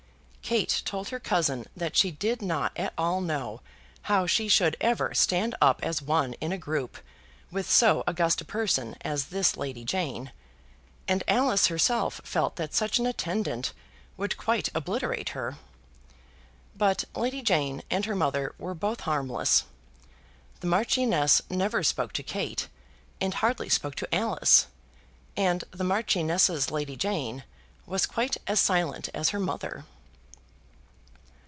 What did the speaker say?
Kate told her cousin that she did not at all know how she should ever stand up as one in a group with so august a person as this Lady Jane, and Alice herself felt that such an attendant would quite obliterate her. But Lady Jane and her mother were both harmless. The Marchioness never spoke to Kate and hardly spoke to Alice, and the Marchioness's Lady Jane was quite as silent as her mother.